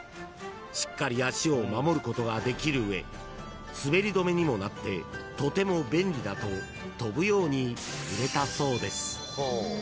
［しっかり足を守ることができる上滑り止めにもなってとても便利だと飛ぶように売れたそうです］